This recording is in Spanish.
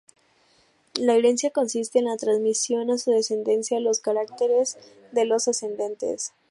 La herencia consiste en la transmisión a su descendencia los caracteres de los ascendentes.